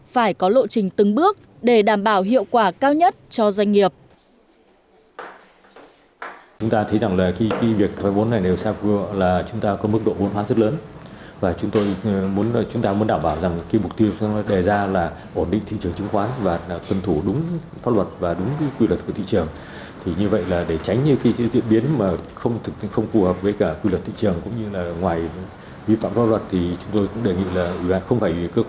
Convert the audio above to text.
phải có lộ trình từng bước để đảm bảo hiệu quả cao nhất cho doanh nghiệp